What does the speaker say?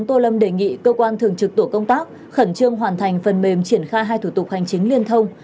tâm đề nghị cơ quan thường trực tuổi công tác khẩn trương hoàn thành phần mềm triển khai hai thủ tục hành chính liên thông